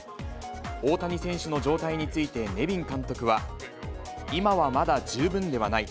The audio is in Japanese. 大谷選手の状態について、ネビン監督は、今はまだ十分ではない。